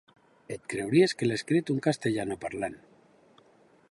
Et creuries que l’ha escrit un castellanoparlant.